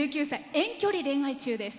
遠距離恋愛中です。